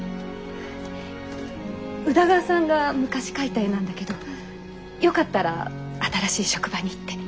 宇田川さんが昔描いた絵なんだけどよかったら新しい職場にって。